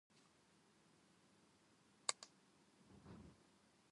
ドラゴンフルーツの花言葉は、永遠の星、です。